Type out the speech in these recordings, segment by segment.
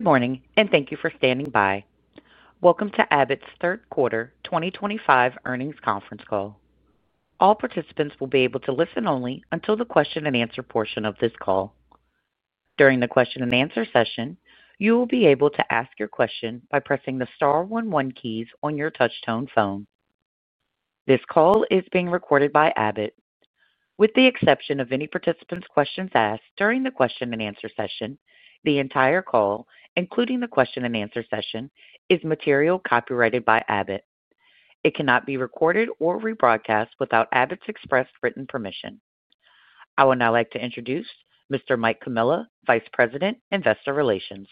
Good morning and thank you for standing by. Welcome to Abbott Laboratories' third quarter 2025 earnings conference call. All participants will be able to listen only until the question and answer portion of this call. During the question and answer session, you will be able to ask your question by pressing the star one one keys on your touchtone phone. This call is being recorded by Abbott Laboratories. With the exception of any participant's questions asked during the question and answer session, the entire call, including the question and answer session, is material copyrighted by Abbott Laboratories. It cannot be recorded or rebroadcast without Abbott Laboratories' express written permission. I would now like to introduce Mr. Mike Comilla, Vice President, Investor Relations.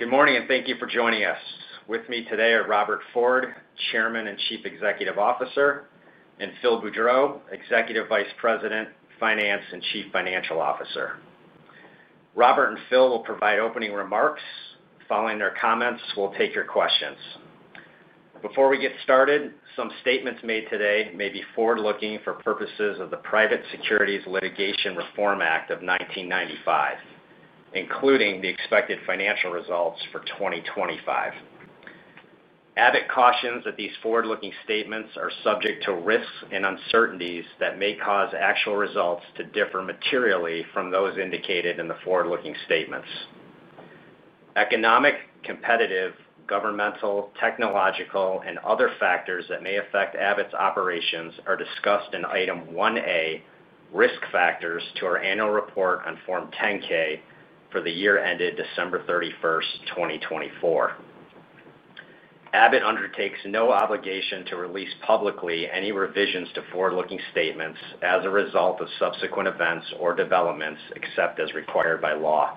Good morning and thank you for joining us. With me today are Robert Ford, Chairman and Chief Executive Officer, and Phil Boudreau, Executive Vice President, Finance and Chief Financial Officer. Robert and Phil will provide opening remarks. Following their comments, we'll take your questions. Before we get started, some statements made today may be forward-looking for purposes of the Private Securities Litigation Reform Act of 1995, including the expected financial results for 2025. Abbott cautions that these forward-looking statements are subject to risks and uncertainties that may cause actual results to differ materially from those indicated in the forward-looking statements. Economic, competitive, governmental, technological, and other factors that may affect Abbott's operations are discussed in Item 1A, Risk Factors, to our annual report on Form 10-K for the year ended December 31st, 2024. Abbott undertakes no obligation to release publicly any revisions to forward-looking statements as a result of subsequent events or developments, except as required by law.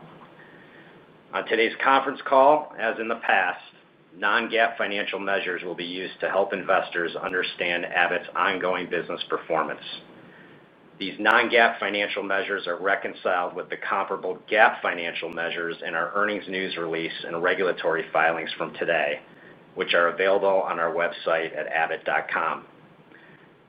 On today's conference call, as in the past, non-GAAP financial measures will be used to help investors understand Abbott's ongoing business performance. These non-GAAP financial measures are reconciled with the comparable GAAP financial measures in our earnings news release and regulatory filings from today, which are available on our website at abbott.com.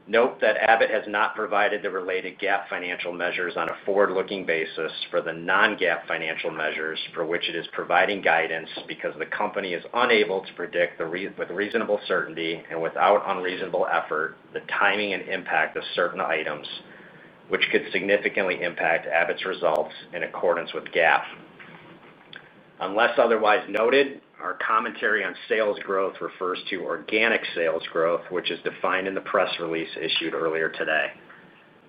Note that Abbott has not provided the related GAAP financial measures on a forward-looking basis for the non-GAAP financial measures for which it is providing guidance because the company is unable to predict with reasonable certainty and without unreasonable effort the timing and impact of certain items, which could significantly impact Abbott's results in accordance with GAAP. Unless otherwise noted, our commentary on sales growth refers to organic sales growth, which is defined in the press release issued earlier today.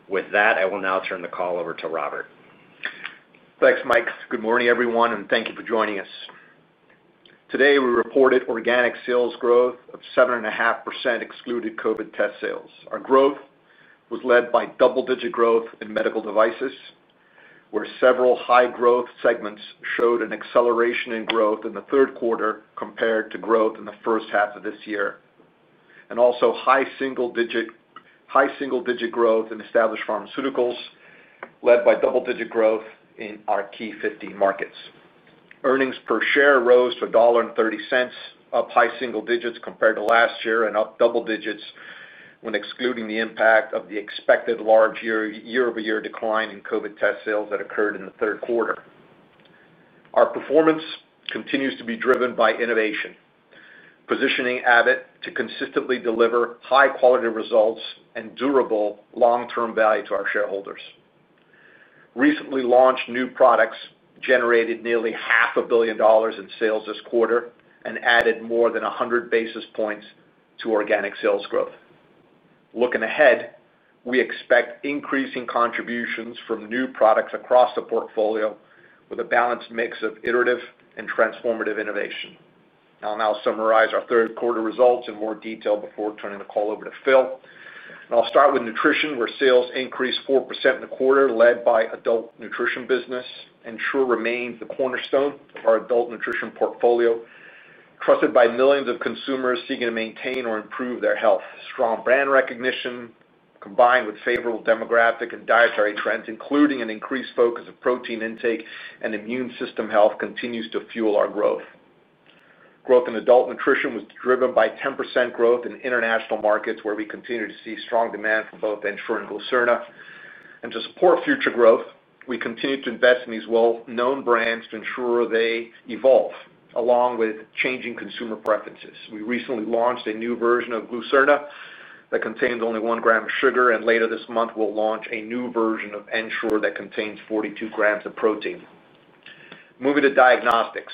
With that, I will now turn the call over to Robert. Thanks, Mike. Good morning, everyone, and thank you for joining us. Today, we reported organic sales growth of 7.5% excluding COVID test sales. Our growth was led by double-digit growth in medical devices, where several high-growth segments showed an acceleration in growth in the third quarter compared to growth in the first half of this year, and also high single-digit growth in Established Pharmaceuticals, led by double-digit growth in our key 15 markets. Earnings per share rose to $1.30, up high single digits compared to last year, and up double digits when excluding the impact of the expected large year-over-year decline in COVID test sales that occurred in the third quarter. Our performance continues to be driven by innovation, positioning Abbott Laboratories to consistently deliver high-quality results and durable long-term value to our shareholders. Recently launched new products generated nearly half a billion dollars in sales this quarter and added more than 100 basis points to organic sales growth. Looking ahead, we expect increasing contributions from new products across the portfolio with a balanced mix of iterative and transformative innovation. I'll now summarize our third quarter results in more detail before turning the call over to Phil. I'll start with nutrition, where sales increased 4% in the quarter, led by adult nutrition business. Ensure remains the cornerstone of our adult nutrition portfolio, trusted by millions of consumers seeking to maintain or improve their health. Strong brand recognition, combined with favorable demographic and dietary trends, including an increased focus on protein intake and immune system health, continues to fuel our growth. Growth in adult nutrition was driven by 10% growth in international markets, where we continue to see strong demand for both Ensure and Glucerna. To support future growth, we continue to invest in these well-known brands to ensure they evolve along with changing consumer preferences. We recently launched a new version of Glucerna that contains only 1 gram of sugar, and later this month, we'll launch a new version of Ensure that contains 42 grams of protein. Moving to diagnostics,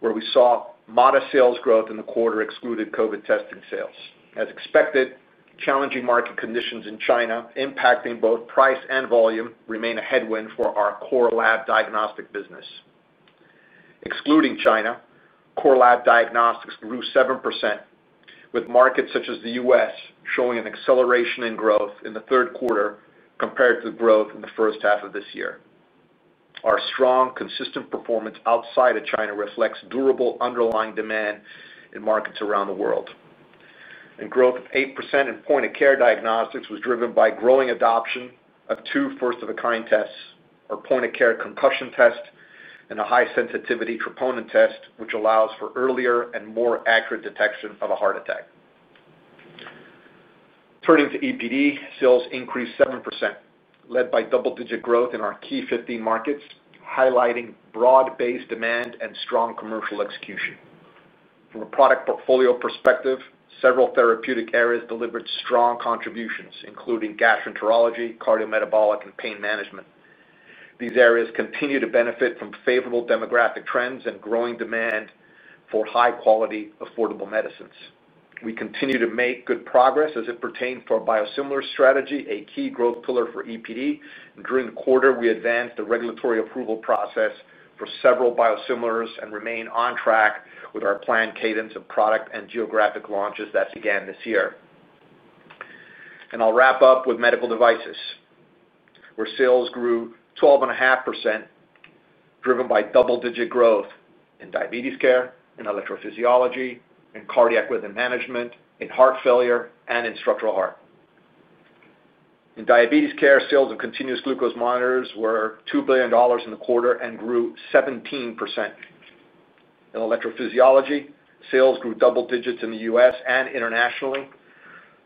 we saw modest sales growth in the quarter excluding COVID testing sales. As expected, challenging market conditions in China, impacting both price and volume, remain a headwind for our core lab diagnostic business. Excluding China, core lab diagnostics grew 7%, with markets such as the U.S. showing an acceleration in growth in the third quarter compared to the growth in the first half of this year. Our strong, consistent performance outside of China reflects durable underlying demand in markets around the world. Growth of 8% in point-of-care diagnostics was driven by growing adoption of two first-of-a-kind tests, our point-of-care concussion test and a high-sensitivity troponin test, which allows for earlier and more accurate detection of a heart attack. Turning to EPD, sales increased 7%, led by double-digit growth in our key 15 markets, highlighting broad-based demand and strong commercial execution. From a product portfolio perspective, several therapeutic areas delivered strong contributions, including gastroenterology, cardiometabolic, and pain management. These areas continue to benefit from favorable demographic trends and growing demand for high-quality, affordable medicines. We continue to make good progress as it pertains to our biosimilars strategy, a key growth pillar for EPD. During the quarter, we advanced the regulatory approval process for several biosimilars and remain on track with our planned cadence of product and geographic launches that began this year. I'll wrap up with medical devices, where sales grew 12.5%, driven by double-digit growth in diabetes care, in electrophysiology, in cardiac rhythm management, in heart failure, and in structural heart. In diabetes care, sales of continuous glucose monitors were $2 billion in the quarter and grew 17%. In electrophysiology, sales grew double digits in the U.S. and internationally.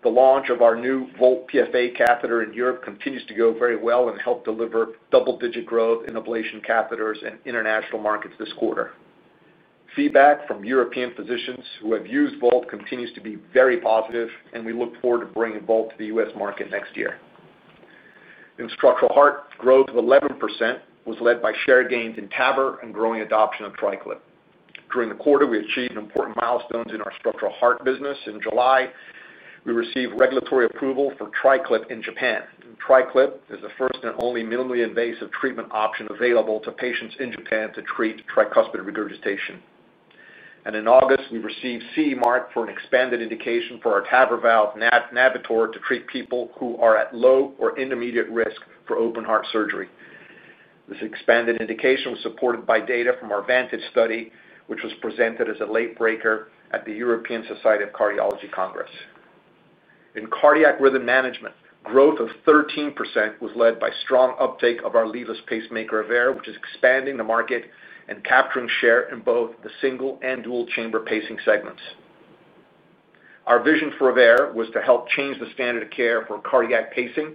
The launch of our new Volt PFA catheter in Europe continues to go very well and help deliver double-digit growth in ablation catheters in international markets this quarter. Feedback from European physicians who have used Volt continues to be very positive, and we look forward to bringing Volt to the U.S. market next year. In structural heart, growth of 11% was led by share gains in TAVR and growing adoption of Triclip. During the quarter, we achieved important milestones in our structural heart business. In July, we received regulatory approval for Triclip in Japan. Triclip is the first and only minimally invasive treatment option available to patients in Japan to treat tricuspid regurgitation. In August, we received CE mark for an expanded indication for our TAVR valve, NAVTOR, to treat people who are at low or intermediate risk for open heart surgery. This expanded indication was supported by data from our Vantage study, which was presented as a late breaker at the European Society of Cardiology Congress. In cardiac rhythm management, growth of 13% was led by strong uptake of our Aveir leadless pacemaker, which is expanding the market and capturing share in both the single and dual chamber pacing segments. Our vision for Aveir was to help change the standard of care for cardiac pacing,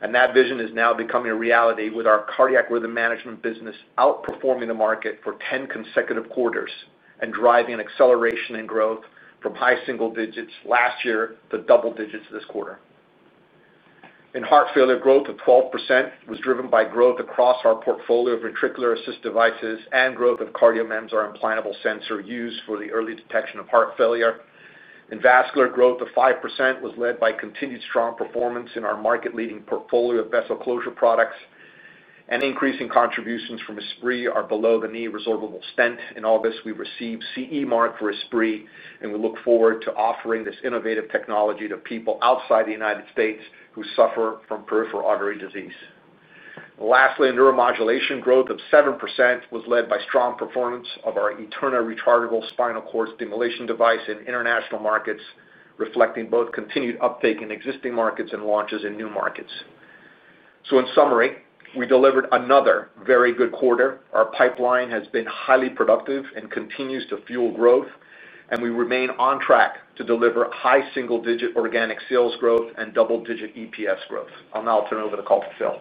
and that vision is now becoming a reality with our cardiac rhythm management business outperforming the market for 10 consecutive quarters and driving an acceleration in growth from high single digits last year to double digits this quarter. In heart failure, growth of 12% was driven by growth across our portfolio of ventricular assist devices and growth of CardioMEMS, our implantable sensor used for the early detection of heart failure. In vascular, growth of 5% was led by continued strong performance in our market-leading portfolio of vessel closure products and increasing contributions from ESPRI, our below-the-knee resorbable stent. In August, we received CE mark for ESPRI, and we look forward to offering this innovative technology to people outside the United States who suffer from peripheral artery disease. Lastly, in neuromodulation, growth of 7% was led by strong performance of our Eterna rechargeable spinal cord stimulation device in international markets, reflecting both continued uptake in existing markets and launches in new markets. In summary, we delivered another very good quarter. Our pipeline has been highly productive and continues to fuel growth, and we remain on track to deliver high single-digit organic sales growth and double-digit EPS growth. I'll now turn over the call to Phil.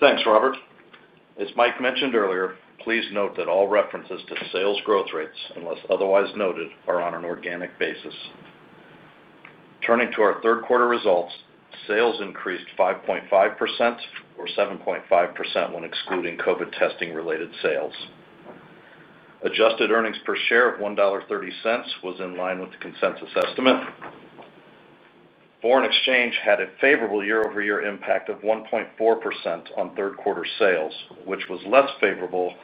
Thanks, Robert. As Mike mentioned earlier, please note that all references to sales growth rates, unless otherwise noted, are on an organic basis. Turning to our third quarter results, sales increased 5.5% or 7.5% when excluding COVID testing-related sales. Adjusted earnings per share of $1.30 was in line with the consensus estimate. Foreign exchange had a favorable year-over-year impact of 1.4% on third quarter sales, which was less favorable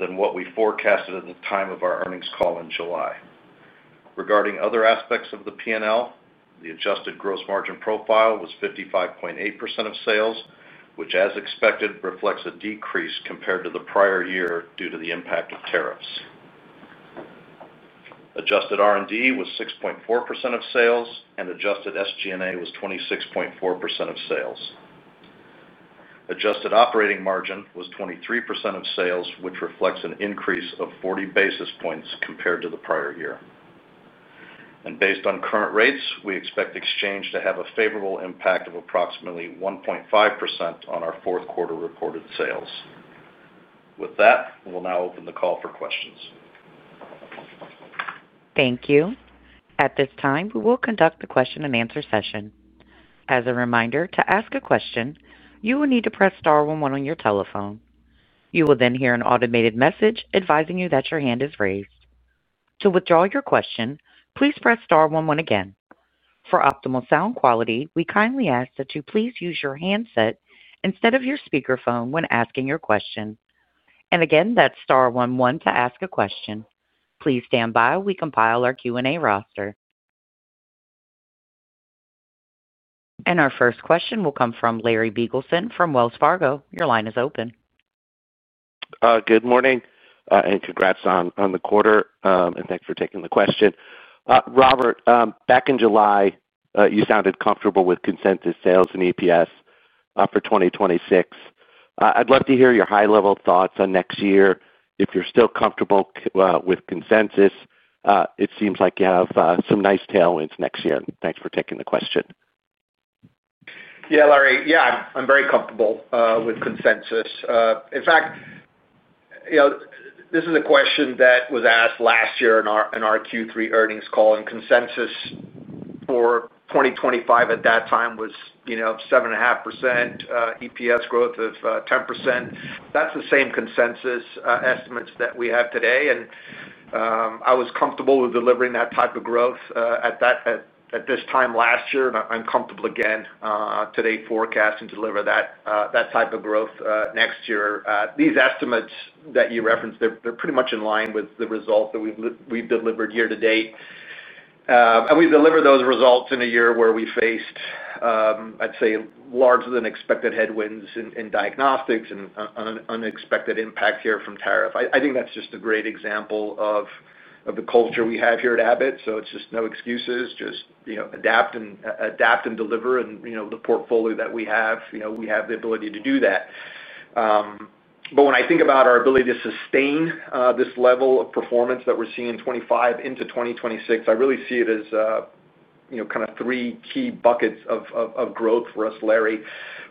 than what we forecasted at the time of our earnings call in July. Regarding other aspects of the P&L, the adjusted gross margin profile was 55.8% of sales, which, as expected, reflects a decrease compared to the prior year due to the impact of tariffs. Adjusted R&D was 6.4% of sales, and adjusted SG&A was 26.4% of sales. Adjusted operating margin was 23% of sales, which reflects an increase of 40 basis points compared to the prior year. Based on current rates, we expect exchange to have a favorable impact of approximately 1.5% on our fourth quarter reported sales. With that, we'll now open the call for questions. Thank you. At this time, we will conduct the question and answer session. As a reminder, to ask a question, you will need to press star one one on your telephone. You will then hear an automated message advising you that your hand is raised. To withdraw your question, please press star one one again. For optimal sound quality, we kindly ask that you please use your handset instead of your speakerphone when asking your question. That's star one one to ask a question. Please stand by while we compile our Q&A roster. Our first question will come from Larry Biegelsen from Wells Fargo. Your line is open. Good morning and congrats on the quarter, and thanks for taking the question. Robert, back in July, you sounded comfortable with consensus sales and EPS for 2026. I'd love to hear your high-level thoughts on next year. If you're still comfortable with consensus, it seems like you have some nice tailwinds next year. Thanks for taking the question. Yeah, Larry. Yeah, I'm very comfortable with consensus. In fact, you know this is a question that was asked last year in our Q3 earnings call, and consensus for 2025 at that time was 7.5%, EPS growth of 10%. That's the same consensus estimates that we have today. I was comfortable with delivering that type of growth at this time last year, and I'm comfortable again today forecasting to deliver that type of growth next year. These estimates that you referenced, they're pretty much in line with the results that we've delivered year to date. We delivered those results in a year where we faced, I'd say, larger than expected headwinds in diagnostics and unexpected impact here from tariff. I think that's just a great example of the culture we have here at Abbott Laboratories. It's just no excuses, just adapt and deliver. The portfolio that we have, we have the ability to do that. When I think about our ability to sustain this level of performance that we're seeing in 2025 into 2026, I really see it as kind of three key buckets of growth for us, Larry.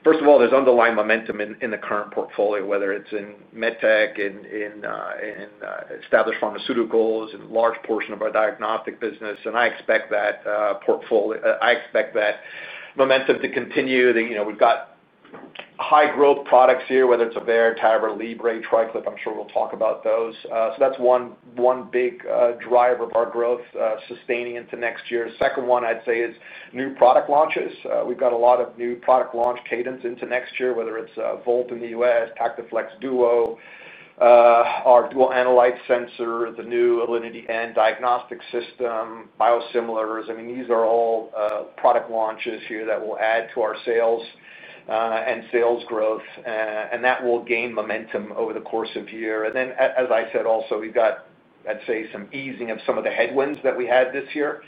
First of all, there's underlying momentum in the current portfolio, whether it's in medtech and in Established Pharmaceuticals and a large portion of our diagnostics business. I expect that momentum to continue. We've got high-growth products here, whether it's Aveir, TAVR, Libre, Triclip. I'm sure we'll talk about those. That's one big driver of our growth sustaining into next year. The second one, I'd say, is new product launches. We've got a lot of new product launch cadence into next year, whether it's Volt in the U.S., PactaFlex Duo, our dual analyte sensor, the new Alinity N diagnostic system, biosimilars. I mean, these are all product launches here that will add to our sales and sales growth. That will gain momentum over the course of the year. As I said, also we've got, I'd say, some easing of some of the headwinds that we had this year,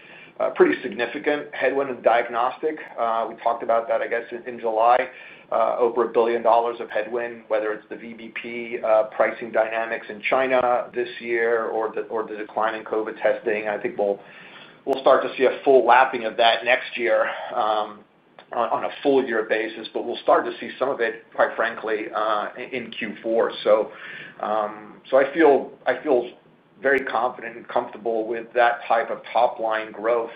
pretty significant headwind in diagnostics. We talked about that, I guess, in July, over $1 billion of headwind, whether it's the VBP pricing dynamics in China this year or the decline in COVID testing. I think we'll start to see a full lapping of that next year on a full-year basis, but we'll start to see some of it, quite frankly, in Q4. I feel very confident and comfortable with that type of top-line growth.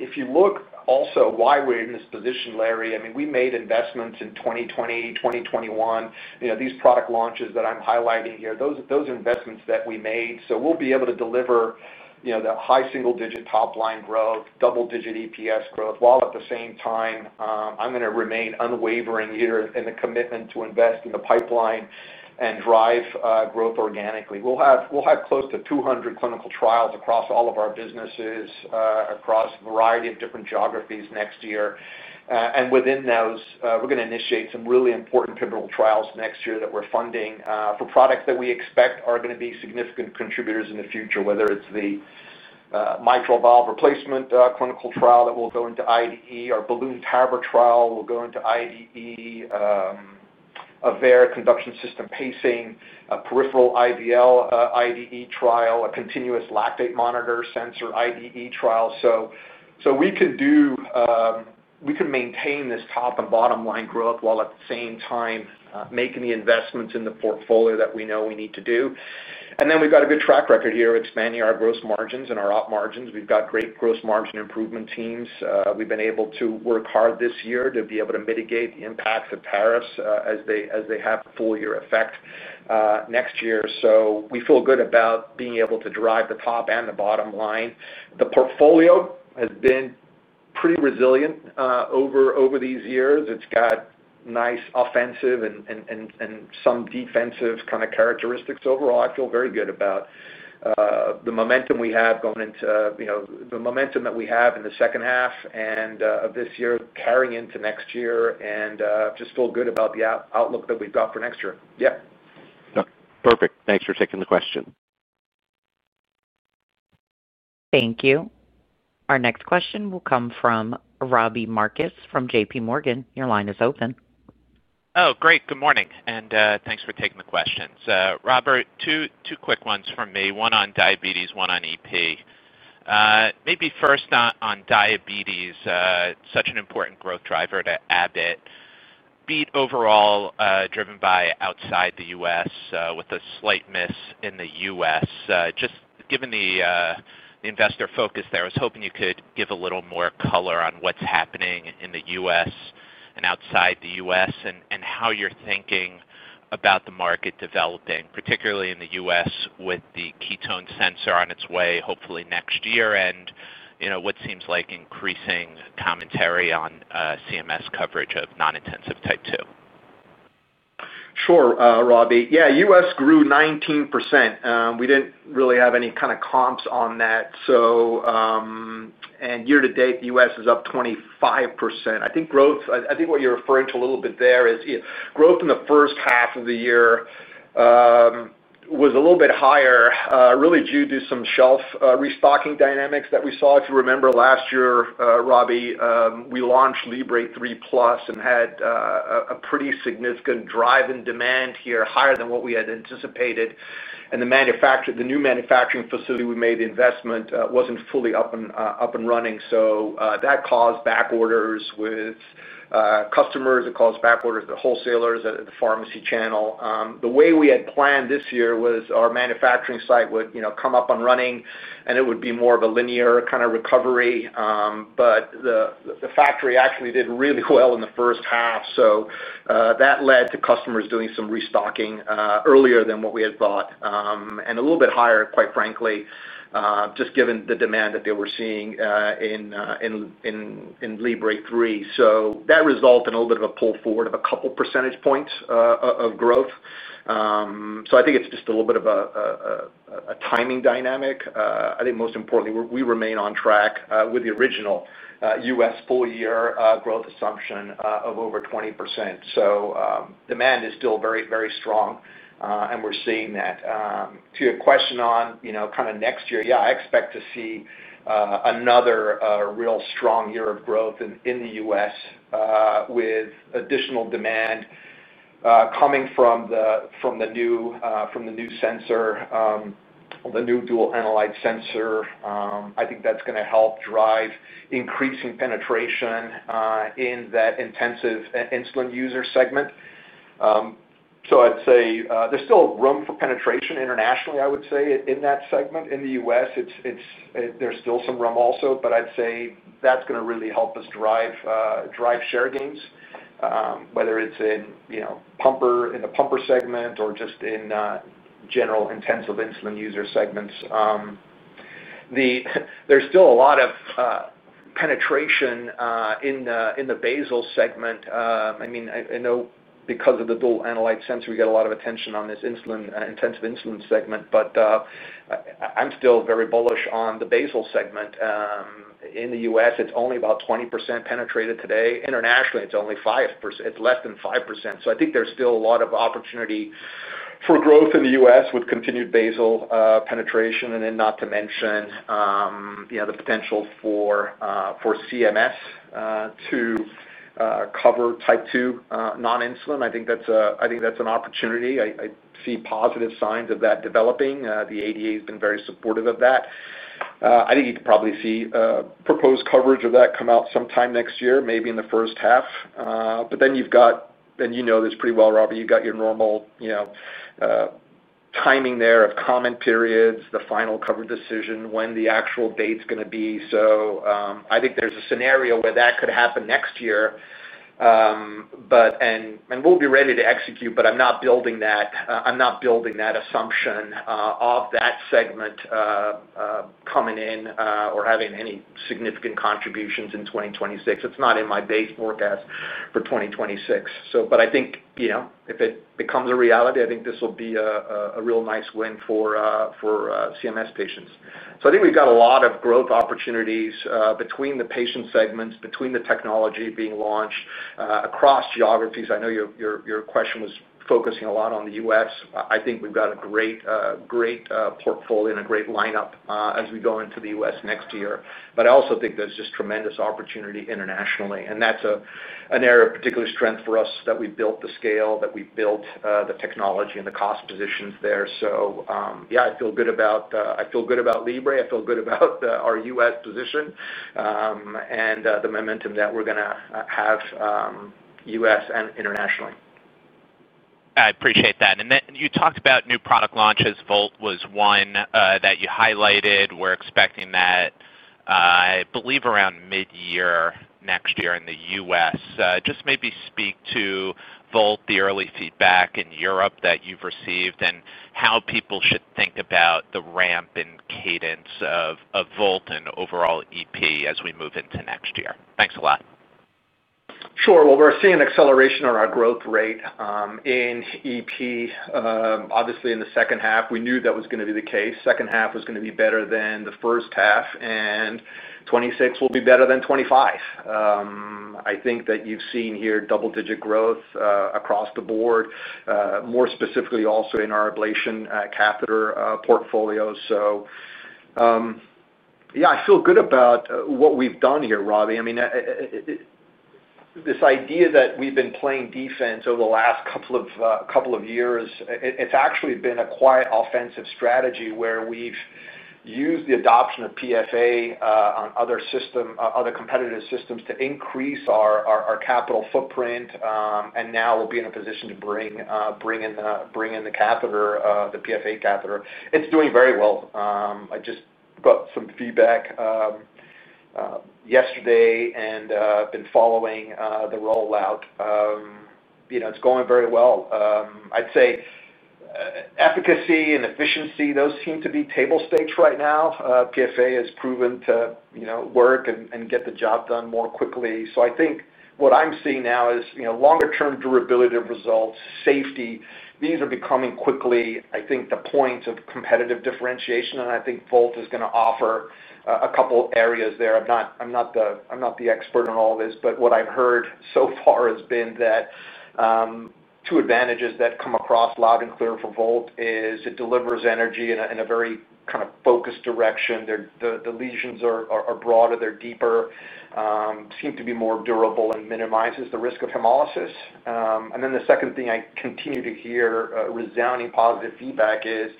If you look also why we're in this position, Larry, I mean, we made investments in 2020, 2021. You know, these product launches that I'm highlighting here, those are investments that we made. We'll be able to deliver the high single-digit top-line growth, double-digit EPS growth, while at the same time, I'm going to remain unwavering here in the commitment to invest in the pipeline and drive growth organically. We'll have close to 200 clinical trials across all of our businesses across a variety of different geographies next year. Within those, we're going to initiate some really important pivotal trials next year that we're funding for products that we expect are going to be significant contributors in the future, whether it's the mitral valve replacement clinical trial that will go into IDE, our balloon TAVR trial will go into IDE, Aveir conduction system pacing, a peripheral IVL IDE trial, a continuous lactate monitor sensor IDE trial. We can maintain this top and bottom line growth while at the same time making the investments in the portfolio that we know we need to do. We've got a good track record here expanding our gross margins and our op margins. We've got great gross margin improvement teams. We've been able to work hard this year to be able to mitigate the impacts of tariffs as they have a full-year effect next year. We feel good about being able to drive the top and the bottom line. The portfolio has been pretty resilient over these years. It's got nice offensive and some defensive kind of characteristics. Overall, I feel very good about the momentum we have going into the momentum that we have in the second half of this year, carrying into next year, and just feel good about the outlook that we've got for next year. Yeah. Perfect. Thanks for taking the question. Thank you. Our next question will come from Robbie Marcus from JPMorgan. Your line is open. Oh, great. Good morning. Thanks for taking the questions. Robert, two quick ones from me, one on diabetes, one on EP. Maybe first on diabetes, such an important growth driver to Abbott. Beat overall, driven by outside the U.S. with a slight miss in the U.S. Given the investor focus there, I was hoping you could give a little more color on what's happening in the U.S. and outside the U.S. and how you're thinking about the market developing, particularly in the U.S. with the ketone sensor on its way, hopefully next year, and what seems like increasing commentary on CMS coverage of non-intensive type 2. Sure, Robbie. Yeah, U.S. grew 19%. We did not really have any kind of comps on that. Year to date, the U.S. is up 25%. I think growth, I think what you are referring to a little bit there is growth in the first half of the year was a little bit higher, really, due to some shelf restocking dynamics that we saw. If you remember last year, Robbie, we launched FreeStyle Libre 3 and had a pretty significant drive in demand here, higher than what we had anticipated. The new manufacturing facility we made the investment in was not fully up and running. That caused back orders with customers. It caused back orders with the wholesalers at the pharmacy channel. The way we had planned this year was our manufacturing site would come up and running, and it would be more of a linear kind of recovery. The factory actually did really well in the first half. That led to customers doing some restocking earlier than what we had thought and a little bit higher, quite frankly, just given the demand that they were seeing in FreeStyle Libre 3. That resulted in a little bit of a pull forward of a couple percentage points of growth. I think it is just a little bit of a timing dynamic. Most importantly, we remain on track with the original U.S. full-year growth assumption of over 20%. Demand is still very, very strong, and we are seeing that. To your question on kind of next year, yeah, I expect to see another real strong year of growth in the U.S. with additional demand coming from the new sensor, the new dual analyte sensor. I think that is going to help drive increasing penetration in that intensive insulin user segment. I would say there is still room for penetration internationally, I would say, in that segment. In the U.S., there is still some room also, but I would say that is going to really help us drive share gains, whether it is in the pumper segment or just in general intensive insulin user segments. There is still a lot of penetration in the basal segment. I mean, I know because of the dual analyte sensor, we get a lot of attention on this intensive insulin segment, but I am still very bullish on the basal segment. In the U.S., it is only about 20% penetrated today. Internationally, it is only 5%. It is less than 5%. I think there is still a lot of opportunity for growth in the U.S. with continued basal penetration, not to mention the potential for CMS to cover type 2 non-insulin. I think that is an opportunity. I see positive signs of that developing. The ADA has been very supportive of that. I think you could probably see proposed coverage of that come out sometime next year, maybe in the first half. You have your normal timing there of comment periods, the final cover decision, when the actual date's going to be. I think there's a scenario where that could happen next year, and we'll be ready to execute. I'm not building that assumption of that segment coming in or having any significant contributions in 2026. It's not in my base forecast for 2026. If it becomes a reality, I think this will be a real nice win for CMS patients. I think we've got a lot of growth opportunities between the patient segments, between the technology being launched across geographies. I know your question was focusing a lot on the U.S. I think we've got a great portfolio and a great lineup as we go into the U.S. next year. I also think there's just tremendous opportunity internationally. That's an area of particular strength for us, that we built the scale, that we built the technology, and the cost positions there. I feel good about FreeStyle Libre. I feel good about our U.S. position and the momentum that we're going to have U.S. and internationally. I appreciate that. You talked about new product launches. Volt was one that you highlighted. We're expecting that, I believe, around mid-year next year in the U.S. Maybe speak to Volt, the early feedback in Europe that you've received, and how people should think about the ramp and cadence of Volt and overall electrophysiology as we move into next year. Thanks a lot. Sure. We're seeing an acceleration in our growth rate in electrophysiology, obviously, in the second half. We knew that was going to be the case. The second half was going to be better than the first half, and 2026 will be better than 2025. I think that you've seen here double-digit growth across the board, more specifically also in our ablation catheter portfolio. I feel good about what we've done here, Robbie. This idea that we've been playing defense over the last couple of years, it's actually been a quiet offensive strategy where we've used the adoption of pulsed field ablation on other competitive systems to increase our capital footprint. Now we'll be in a position to bring in the catheter, the PFA catheter. It's doing very well. I just got some feedback yesterday and have been following the rollout. It's going very well. I'd say efficacy and efficiency, those seem to be table stakes right now. Pulsed field ablation has proven to work and get the job done more quickly. I think what I'm seeing now is longer-term durability of results, safety. These are becoming quickly, I think, the points of competitive differentiation. I think Volt is going to offer a couple of areas there. I'm not the expert in all this, but what I've heard so far has been that two advantages that come across loud and clear for Volt is it delivers energy in a very kind of focused direction. The lesions are broader, they're deeper, seem to be more durable, and minimize the risk of hemolysis. The second thing I continue to hear resounding positive feedback is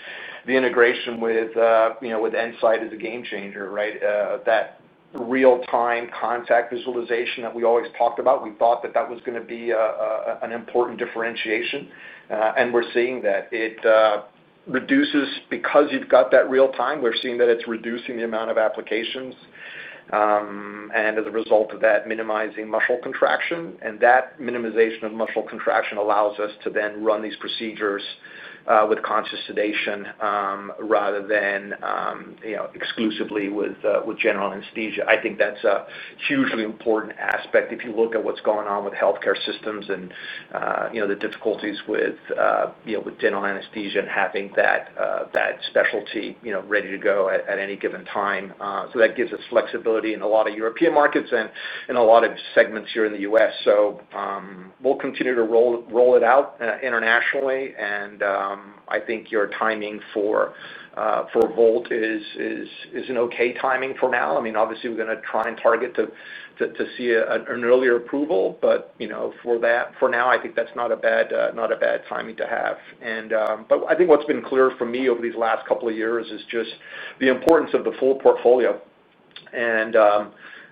the integration with N-Site is a game changer, right? That real-time contact visualization that we always talked about, we thought that that was going to be an important differentiation. We're seeing that it reduces because you've got that real-time. We're seeing that it's reducing the amount of applications, and as a result of that, minimizing muscle contraction. That minimization of muscle contraction allows us to then run these procedures with conscious sedation rather than exclusively with general anesthesia. I think that's a hugely important aspect if you look at what's going on with healthcare systems and the difficulties with general anesthesia and having that specialty ready to go at any given time. That gives us flexibility in a lot of European markets and in a lot of segments here in the U.S. We'll continue to roll it out internationally. I think your timing for Volt is an okay timing for now. I mean, obviously, we're going to try and target to see an earlier approval. For now, I think that's not a bad timing to have. I think what's been clear for me over these last couple of years is just the importance of the full portfolio.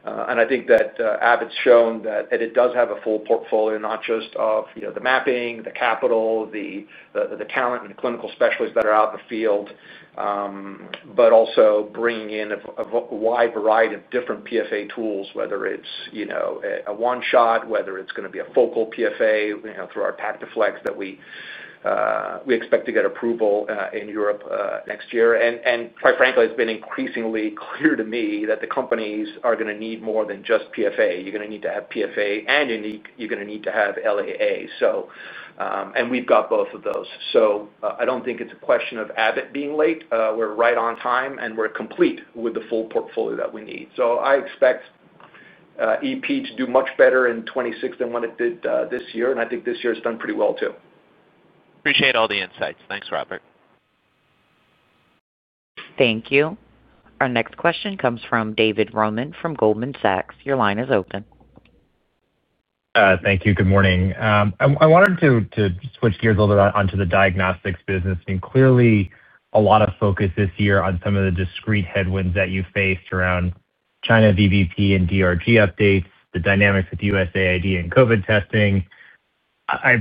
I think that Abbott's shown that it does have a full portfolio, not just of the mapping, the capital, the talent, and the clinical specialists that are out in the field, but also bringing in a wide variety of different PFA tools, whether it's a one-shot, whether it's going to be a focal PFA through our PactaFlex that we expect to get approval in Europe next year. Quite frankly, it's been increasingly clear to me that the companies are going to need more than just PFA. You're going to need to have PFA, and you're going to need to have LAA. We've got both of those. I don't think it's a question of Abbott being late. We're right on time, and we're complete with the full portfolio that we need. I expect EP to do much better in 2026 than what it did this year. I think this year has done pretty well, too. Appreciate all the insights. Thanks, Robert. Thank you. Our next question comes from David Roman from Goldman Sachs. Your line is open. Thank you. Good morning. I wanted to switch gears a little bit onto the diagnostics business. Clearly, a lot of focus this year on some of the discrete headwinds that you faced around China VBP and DRG updates, the dynamics with U.S. aid and COVID testing. I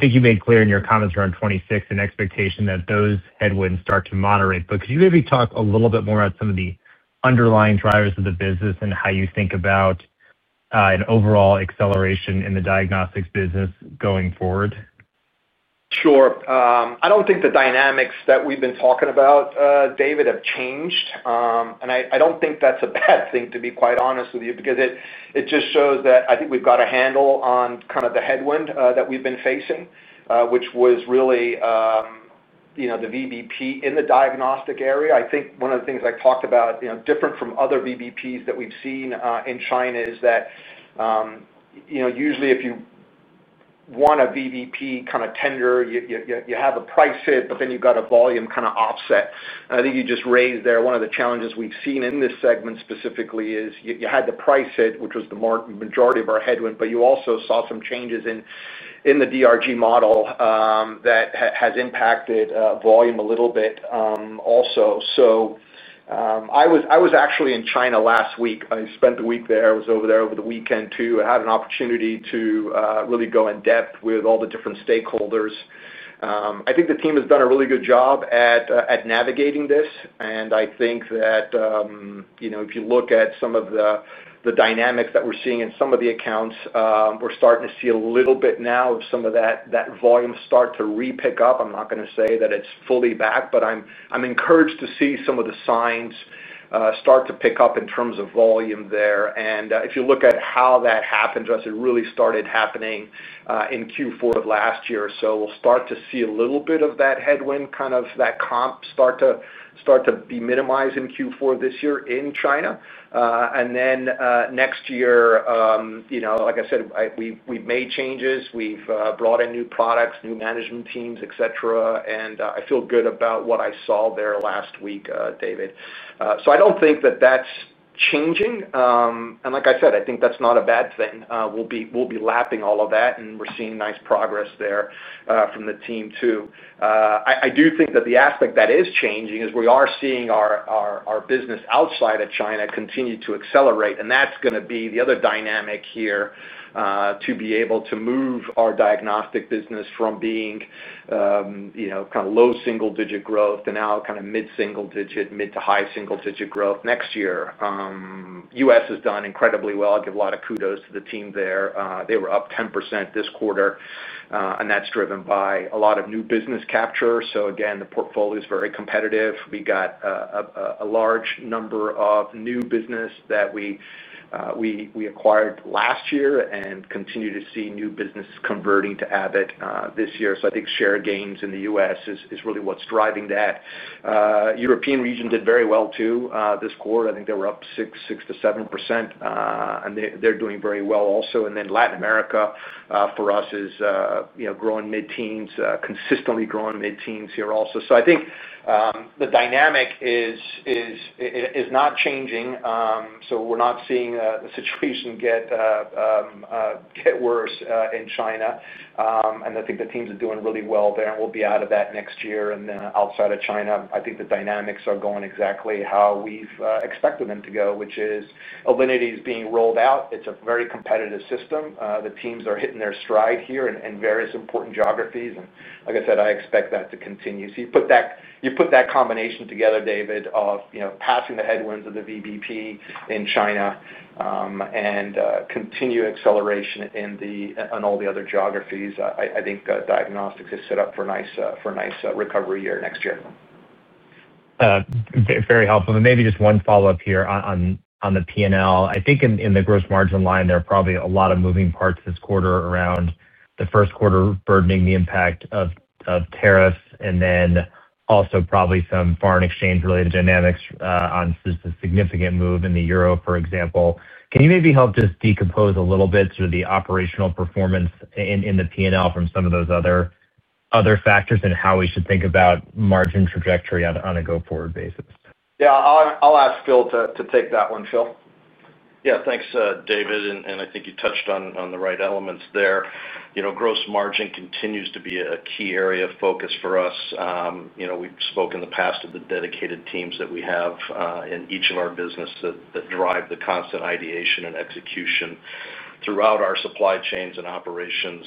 think you made clear in your comments around 2026 an expectation that those headwinds start to moderate. Could you maybe talk a little bit more about some of the underlying drivers of the business and how you think about an overall acceleration in the diagnostics business going forward? Sure. I don't think the dynamics that we've been talking about, David, have changed. I don't think that's a bad thing, to be quite honest with you, because it just shows that I think we've got a handle on kind of the headwind that we've been facing, which was really the VBP in the diagnostics area. I think one of the things I talked about, different from other VBPs that we've seen in China, is that usually, if you want a VBP kind of tender, you have a price hit, but then you've got a volume kind of offset. I think you just raised there one of the challenges we've seen in this segment specifically is you had the price hit, which was the majority of our headwind, but you also saw some changes in the DRG model that has impacted volume a little bit also. I was actually in China last week. I spent the week there. I was over there over the weekend, too. I had an opportunity to really go in depth with all the different stakeholders. I think the team has done a really good job at navigating this. I think that if you look at some of the dynamics that we're seeing in some of the accounts, we're starting to see a little bit now of some of that volume start to repick up. I'm not going to say that it's fully back, but I'm encouraged to see some of the signs start to pick up in terms of volume there. If you look at how that happens, it really started happening in Q4 of last year. We'll start to see a little bit of that headwind, kind of that comp start to be minimized in Q4 this year in China. Next year, you know, like I said, we've made changes. We've brought in new products, new management teams, etc. I feel good about what I saw there last week, David. I don't think that that's changing. Like I said, I think that's not a bad thing. We'll be lapping all of that, and we're seeing nice progress there from the team, too. I do think that the aspect that is changing is we are seeing our business outside of China continue to accelerate. That's going to be the other dynamic here to be able to move our diagnostics business from being kind of low single-digit growth to now kind of mid-single-digit, mid-to-high single-digit growth next year. U.S. has done incredibly well. I'll give a lot of kudos to the team there. They were up 10% this quarter, and that's driven by a lot of new business capture. Again, the portfolio is very competitive. We got a large number of new business that we acquired last year and continue to see new business converting to Abbott this year. I think share gains in the U.S. is really what's driving that. European region did very well, too, this quarter. I think they were up 6% to 7%, and they're doing very well also. Latin America for us is growing mid-teens, consistently growing mid-teens here also. I think the dynamic is not changing. We're not seeing the situation get worse in China. I think the teams are doing really well there, and we'll be out of that next year. Outside of China, I think the dynamics are going exactly how we've expected them to go, which is Alinity is being rolled out. It's a very competitive system. The teams are hitting their stride here in various important geographies. Like I said, I expect that to continue. You put that combination together, David, of passing the headwinds of the VBP in China and continued acceleration in all the other geographies. I think diagnostics is set up for a nice recovery year next year. Very helpful. Maybe just one follow-up here on the P&L. I think in the gross margin line, there are probably a lot of moving parts this quarter around the first quarter burdening the impact of tariffs and then also probably some foreign exchange-related dynamics on a significant move in the euro, for example. Can you maybe help just decompose a little bit through the operational performance in the P&L from some of those other factors and how we should think about margin trajectory on a go-forward basis? Yeah, I'll ask Phil to take that one, Phil. Yeah, thanks, David. I think you touched on the right elements there. Gross margin continues to be a key area of focus for us. We've spoken in the past to the dedicated teams that we have in each of our businesses that drive the constant ideation and execution throughout our supply chains and operations,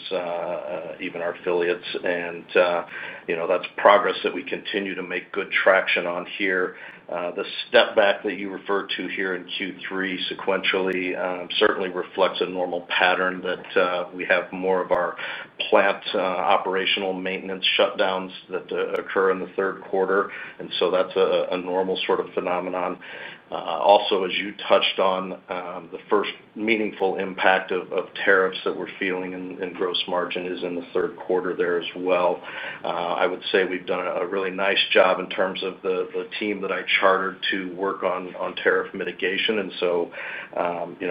even our affiliates. That's progress that we continue to make good traction on here. The step back that you referred to here in Q3 sequentially certainly reflects a normal pattern that we have more of our plant operational maintenance shutdowns that occur in the third quarter. That's a normal sort of phenomenon. Also, as you touched on, the first meaningful impact of tariffs that we're feeling in gross margin is in the third quarter there as well. I would say we've done a really nice job in terms of the team that I chartered to work on tariff mitigation.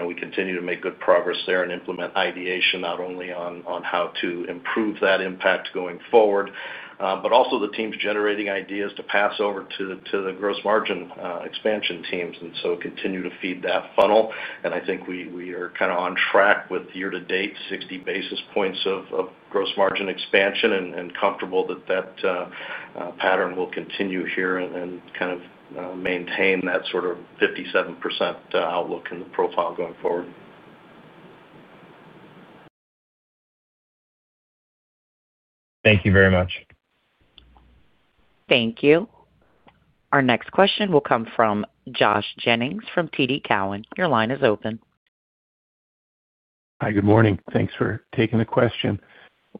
We continue to make good progress there and implement ideation not only on how to improve that impact going forward, but also the teams generating ideas to pass over to the gross margin expansion teams and continue to feed that funnel. I think we are kind of on track with year-to-date 60 basis points of gross margin expansion and comfortable that that pattern will continue here and kind of maintain that sort of 57% outlook in the profile going forward. Thank you very much. Thank you. Our next question will come from Josh Jennings from TD Cowen. Your line is open. Hi, good morning. Thanks for taking the question.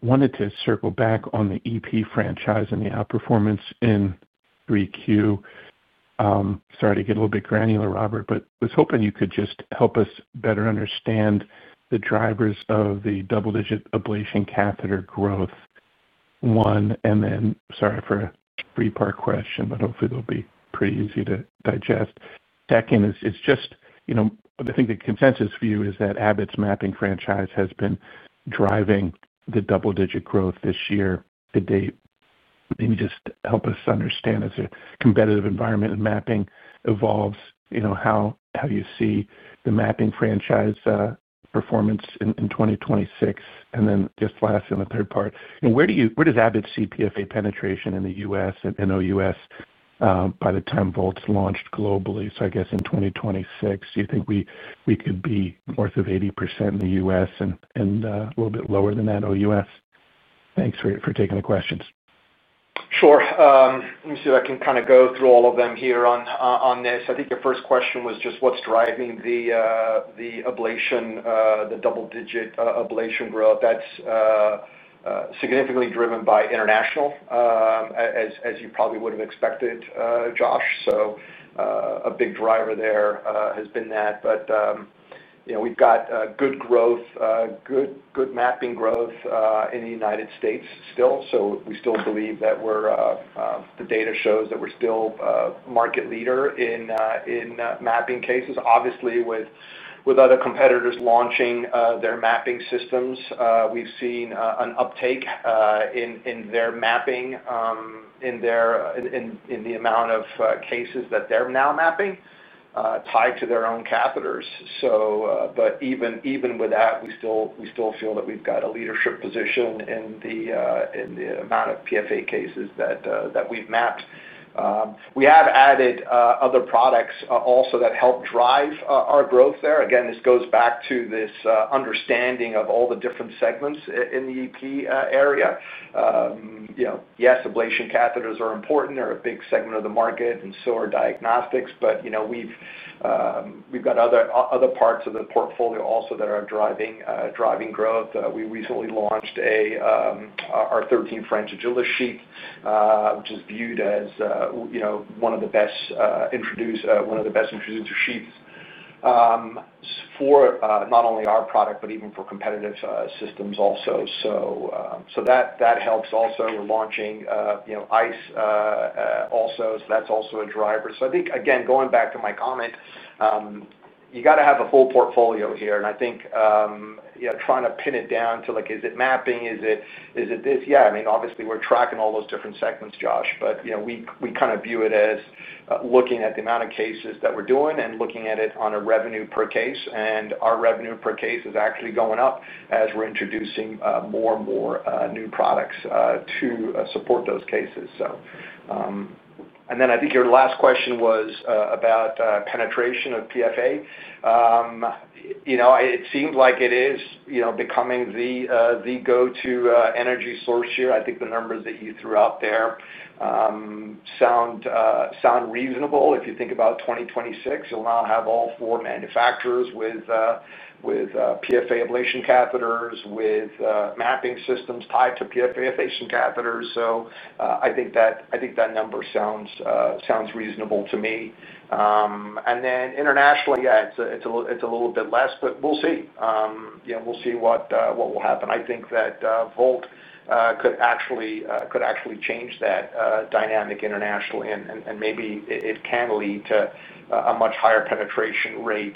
I wanted to circle back on the EP franchise and the outperformance in 3Q. Sorry to get a little bit granular, Robert, but I was hoping you could just help us better understand the drivers of the double-digit ablation catheter growth. One, and then sorry for a three-part question, but hopefully they'll be pretty easy to digest. Second is just, you know, I think the consensus view is that Abbott's mapping franchise has been driving the double-digit growth this year to date. Maybe just help us understand as the competitive environment and mapping evolves, you know, how you see the mapping franchise performance in 2026. And then just lastly, in the third part, you know, where do you, where does Abbott's CPFA penetration in the U.S. and OUS, by the time Volt's launched globally? I guess in 2026, do you think we could be north of 80% in the U.S. and a little bit lower than that OUS? Thanks for taking the questions. Sure. Let me see if I can kind of go through all of them here on this. I think your first question was just what's driving the ablation, the double-digit ablation growth. That's significantly driven by international, as you probably would have expected, Josh. A big driver there has been that. You know, we've got good growth, good mapping growth, in the United States still. We still believe that we're, the data shows that we're still market leader in mapping cases. Obviously, with other competitors launching their mapping systems, we've seen an uptake in their mapping, in the amount of cases that they're now mapping, tied to their own catheters. Even with that, we still feel that we've got a leadership position in the amount of PFA cases that we've mapped. We have added other products also that help drive our growth there. This goes back to this understanding of all the different segments in the EP area. You know, yes, ablation catheters are important. They're a big segment of the market, and so are diagnostics. We've got other parts of the portfolio also that are driving growth. We recently launched our 13 French Agilisheath, which is viewed as one of the best introducer sheaths for not only our product, but even for competitive systems also. That helps also. We're launching ICE also. That's also a driver. I think, again, going back to my comment, you got to have a full portfolio here. I think, you know, trying to pin it down to like, is it mapping? Is it this? Yeah, I mean, obviously, we're tracking all those different segments, Josh, but we kind of view it as looking at the amount of cases that we're doing and looking at it on a revenue per case. Our revenue per case is actually going up as we're introducing more and more new products to support those cases. I think your last question was about penetration of PFA. It seemed like it is becoming the go-to energy source here. I think the numbers that you threw out there sound reasonable. If you think about 2026, you'll now have all four manufacturers with PFA ablation catheters, with mapping systems tied to PFA ablation catheters. I think that number sounds reasonable to me. Internationally, yeah, it's a little bit less, but we'll see. We'll see what will happen. I think that Volt could actually change that dynamic internationally, and maybe it can lead to a much higher penetration rate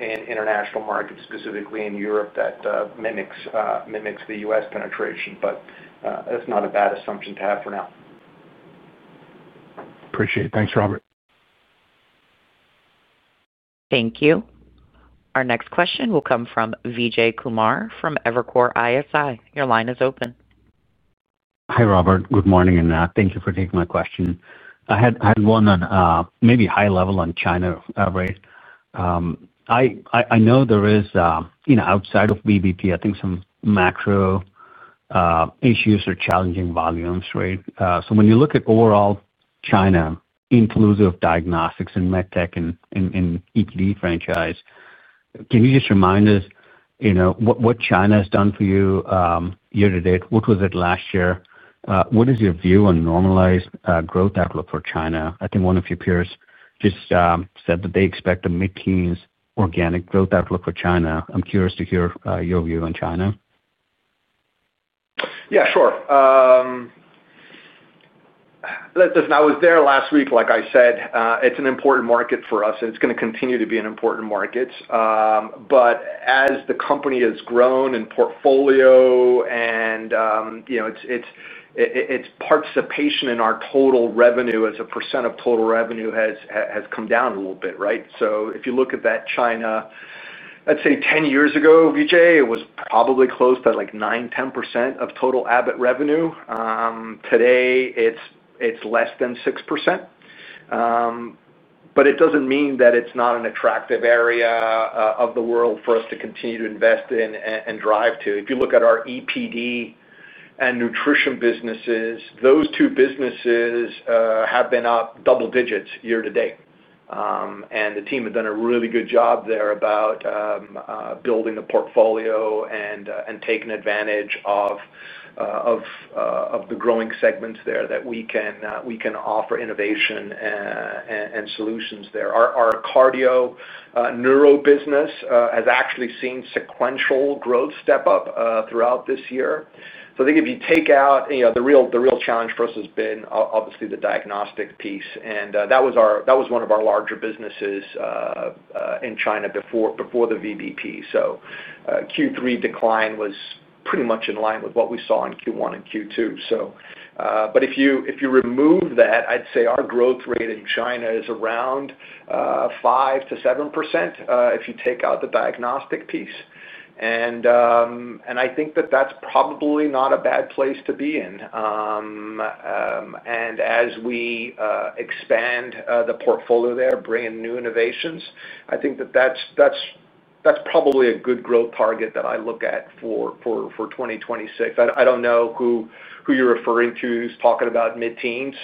in international markets, specifically in Europe, that mimics the U.S. penetration. That's not a bad assumption to have for now. Appreciate it. Thanks, Robert. Thank you. Our next question will come from Vijay Kumar from Evercore ISI. Your line is open. Hi, Robert. Good morning. Thank you for taking my question. I had one on, maybe high level on China, right? I know there is, you know, outside of VBP, I think some macro issues are challenging volumes, right? When you look at overall China, inclusive of diagnostics and medtech and EPD franchise, can you just remind us what China has done for you year to date? What was it last year? What is your view on normalized growth outlook for China? I think one of your peers just said that they expect a mid-teens organic growth outlook for China. I'm curious to hear your view on China. Yeah, sure. Listen, I was there last week. Like I said, it's an important market for us, and it's going to continue to be an important market. As the company has grown in portfolio and its participation in our total revenue as a percent of total revenue has come down a little bit, right? If you look at China, let's say 10 years ago, Vijay, it was probably close to like 9%, 10% of total Abbott Laboratories revenue. Today, it's less than 6%. It doesn't mean that it's not an attractive area of the world for us to continue to invest in and drive to. If you look at our EPD and nutrition businesses, those two businesses have been up double digits year to date, and the team has done a really good job there building the portfolio and taking advantage of the growing segments there that we can offer innovation and solutions. Our cardio, neuro business has actually seen sequential growth step up throughout this year. I think if you take out the real challenge for us, it has been, obviously, the diagnostics piece. That was one of our larger businesses in China before the VBP. Q3 decline was pretty much in line with what we saw in Q1 and Q2. If you remove that, I'd say our growth rate in China is around 5% to 7% if you take out the diagnostics piece. I think that that's probably not a bad place to be in. As we expand the portfolio there, bring in new innovations, I think that that's probably a good growth target that I look at for 2026. I don't know who you're referring to who's talking about mid-teens.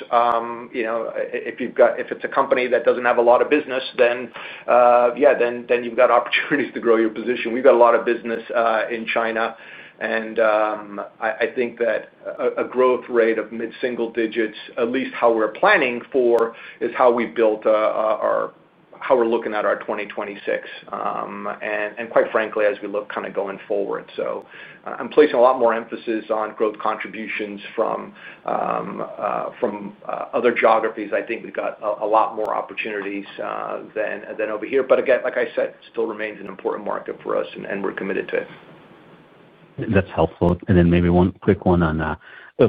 If it's a company that doesn't have a lot of business, then, yeah, then you've got opportunities to grow your position. We've got a lot of business in China, and I think that a growth rate of mid-single digits, at least how we're planning for, is how we built how we're looking at our 2026. Quite frankly, as we look kind of going forward, I'm placing a lot more emphasis on growth contributions from other geographies. I think we've got a lot more opportunities than over here. Again, like I said, it still remains an important market for us, and we're committed to it. That's helpful. Maybe one quick one on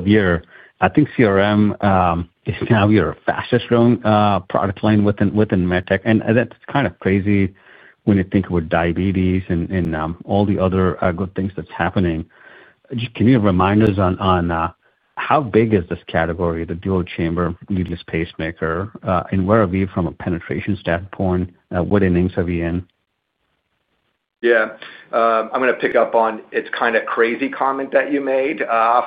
your, I think cardiac rhythm management is now your fastest growing product line within medtech. That's kind of crazy when you think about diabetes and all the other good things that's happening. Can you remind us on how big is this category, the dual chamber leadless pacemaker, and where are we from a penetration standpoint? What innings are we in? Yeah. I'm going to pick up on its kind of crazy comment that you made.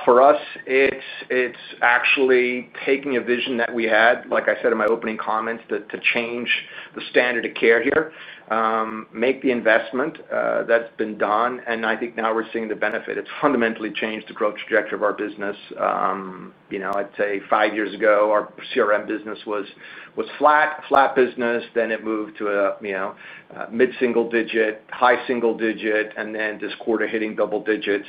For us, it's actually taking a vision that we had, like I said in my opening comments, to change the standard of care here, make the investment that's been done. I think now we're seeing the benefit. It's fundamentally changed the growth trajectory of our business. I'd say five years ago, our cardiac rhythm management business was flat. Then it moved to a mid-single digit, high single digit, and then this quarter hitting double digits.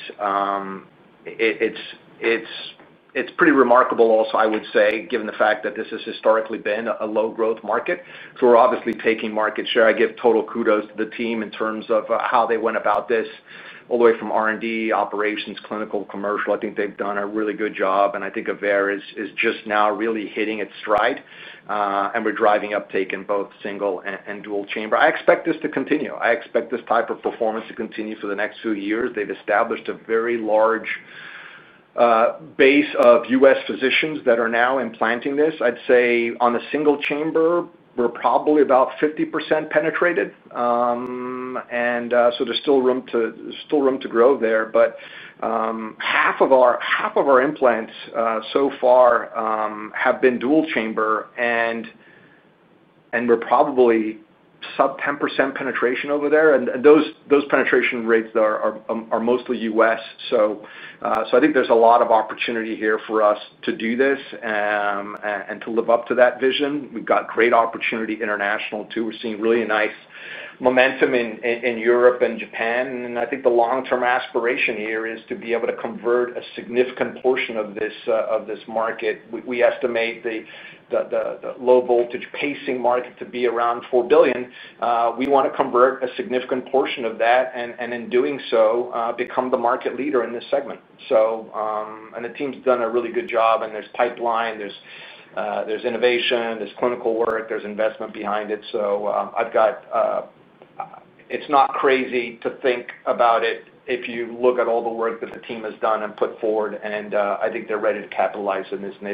It's pretty remarkable also, I would say, given the fact that this has historically been a low-growth market. We're obviously taking market share. I give total kudos to the team in terms of how they went about this, all the way from R&D, operations, clinical, commercial. I think they've done a really good job. I think Aveir is just now really hitting its stride, and we're driving uptake in both single and dual chamber. I expect this to continue. I expect this type of performance to continue for the next few years. They've established a very large base of U.S. physicians that are now implanting this. I'd say on a single chamber, we're probably about 50% penetrated, so there's still room to grow there. Half of our implants so far have been dual chamber, and we're probably sub 10% penetration over there. Those penetration rates are mostly U.S. I think there's a lot of opportunity here for us to do this and to live up to that vision. We've got great opportunity international, too. We're seeing really nice momentum in Europe and Japan. I think the long-term aspiration here is to be able to convert a significant portion of this market. We estimate the low-voltage pacing market to be around $4 billion. We want to convert a significant portion of that and, in doing so, become the market leader in this segment. The team's done a really good job. There's pipeline, there's innovation, there's clinical work, there's investment behind it. It's not crazy to think about it if you look at all the work that the team has done and put forward. I think they're ready to capitalize on this, and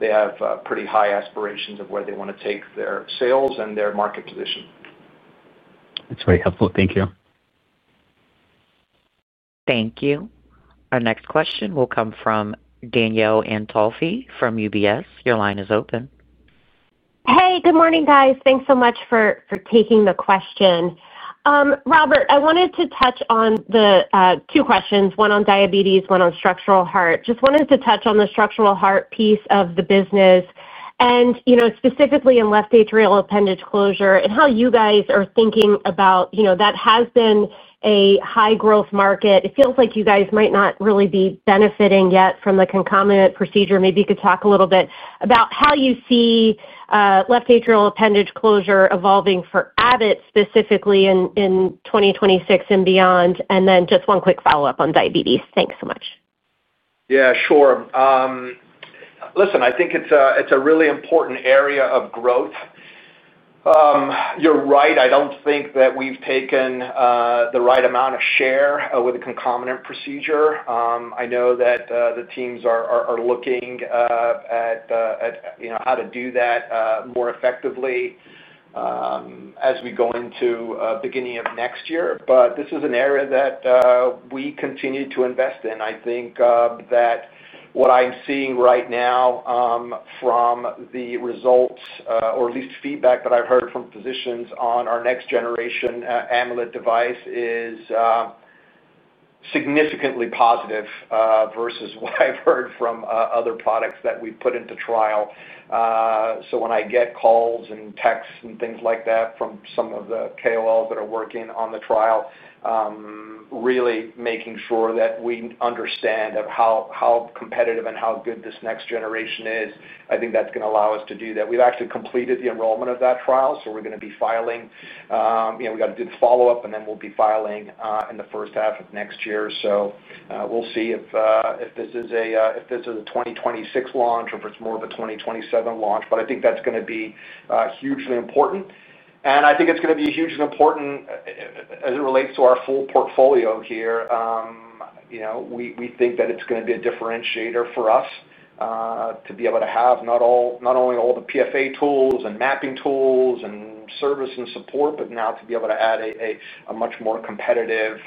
they have pretty high aspirations of where they want to take their sales and their market position. That's very helpful. Thank you. Thank you. Our next question will come from Danielle Antalffy from UBS Investment Bank. Your line is open. Hey, good morning, guys. Thanks so much for taking the question. Robert, I wanted to touch on two questions, one on diabetes, one on structural heart. I just wanted to touch on the structural heart piece of the business. Specifically in left atrial appendage closure and how you guys are thinking about that, it has been a high-growth market. It feels like you guys might not really be benefiting yet from the concomitant procedure. Maybe you could talk a little bit about how you see left atrial appendage closure evolving for Abbott specifically in 2026 and beyond. Just one quick follow-up on diabetes. Thanks so much. Yeah, sure. I think it's a really important area of growth. You're right. I don't think that we've taken the right amount of share with a concomitant procedure. I know that the teams are looking at how to do that more effectively as we go into the beginning of next year. This is an area that we continue to invest in. I think that what I'm seeing right now from the results, or at least feedback that I've heard from physicians on our next generation amyloid device, is significantly positive versus what I've heard from other products that we've put into trial. When I get calls and texts and things like that from some of the KOLs that are working on the trial, really making sure that we understand how competitive and how good this next generation is, I think that's going to allow us to do that. We've actually completed the enrollment of that trial. We're going to be filing, we have to do the follow-up, and then we'll be filing in the first half of next year. We'll see if this is a 2026 launch or if it's more of a 2027 launch. I think that's going to be hugely important, and I think it's going to be hugely important as it relates to our full portfolio here. We think that it's going to be a differentiator for us to be able to have not only all the PFA tools and mapping tools and service and support, but now to be able to add a much more competitive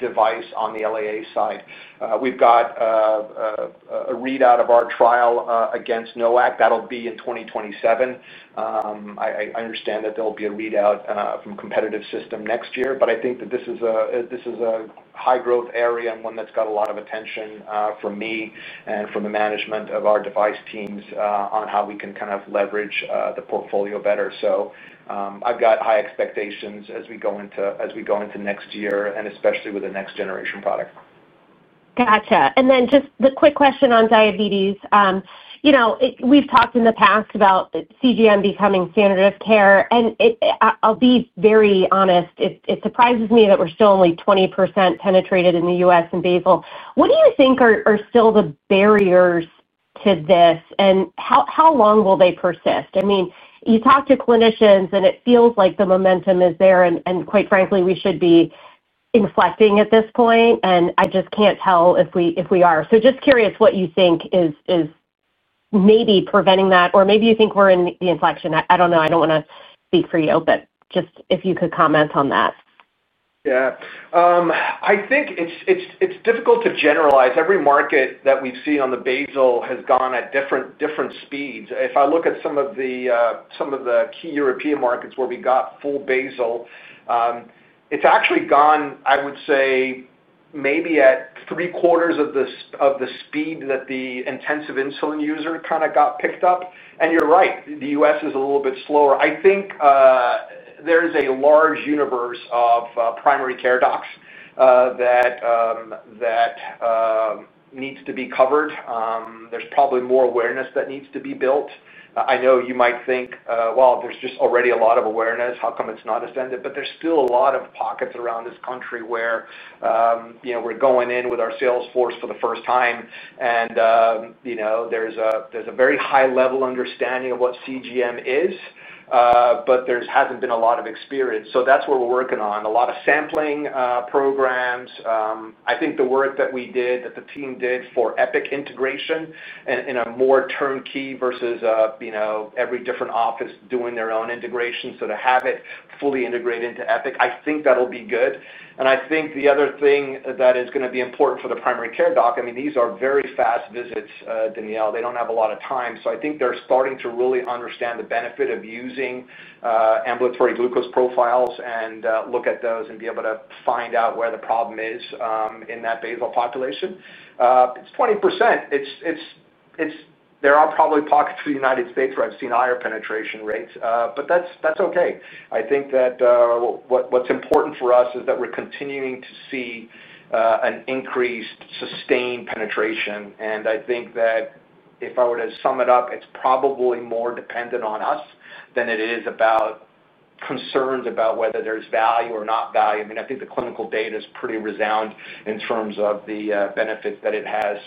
device on the LAA side. We've got a readout of our trial against NOAC. That'll be in 2027. I understand that there'll be a readout from a competitive system next year. I think that this is a high-growth area and one that's got a lot of attention from me and from the management of our device teams on how we can kind of leverage the portfolio better. I've got high expectations as we go into next year, and especially with the next generation product. Gotcha. Just the quick question on diabetes. You know, we've talked in the past about CGM becoming standard of care. I'll be very honest, it surprises me that we're still only 20% penetrated in the U.S. and basal. What do you think are still the barriers to this? How long will they persist? You talk to clinicians, and it feels like the momentum is there. Quite frankly, we should be inflecting at this point. I just can't tell if we are. I'm just curious what you think is maybe preventing that, or maybe you think we're in the inflection. I don't know. I don't want to speak for you, but just if you could comment on that. Yeah. I think it's difficult to generalize. Every market that we've seen on the basal has gone at different speeds. If I look at some of the key European markets where we got full basal, it's actually gone, I would say, maybe at three-quarters of the speed that the intensive insulin user kind of got picked up. You're right, the U.S. is a little bit slower. I think there is a large universe of primary care docs that needs to be covered. There's probably more awareness that needs to be built. I know you might think, there's just already a lot of awareness. How come it's not ascended? There's still a lot of pockets around this country where we're going in with our sales force for the first time. There's a very high-level understanding of what CGM is, but there hasn't been a lot of experience. That's what we're working on. A lot of sampling programs. I think the work that we did, that the team did for Epic integration in a more turnkey versus every different office doing their own integration. To have it fully integrated into Epic, I think that'll be good. I think the other thing that is going to be important for the primary care doc, I mean, these are very fast visits, Danielle. They don't have a lot of time. I think they're starting to really understand the benefit of using ambulatory glucose profiles and look at those and be able to find out where the problem is in that basal population. It's 20%. There are probably pockets of the United States where I've seen higher penetration rates, but that's okay. I think that what's important for us is that we're continuing to see an increased sustained penetration. If I were to sum it up, it's probably more dependent on us than it is about concerns about whether there's value or not value. I think the clinical data is pretty resound in terms of the benefits that it has.